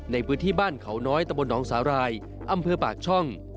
ในพื้นที่บ้านเขาน้อยตะบนหนองสาหร่ายอำเภอปากช่อง